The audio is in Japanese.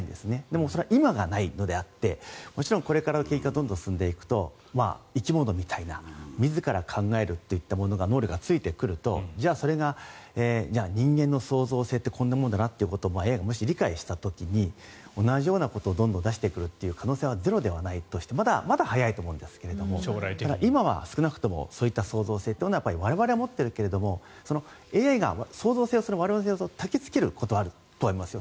もちろん今、ないのであってこれからどんどん進んでいくと生き物といった自ら考えるといった能力がついてくるとそれが人間の創造性ってこんなものだなということをＡＩが理解した時に同じようなことを出してくる可能性はゼロではないとしてまだ早いと思うんですけれど今はまだそういった創造性というのは我々は持っているけれどもＡＩが創造性を我々の創造性をたきつけることはあると思いますよ。